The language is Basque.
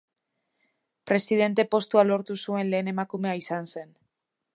Presidente postua lortu zuen lehen emakumea izan zen.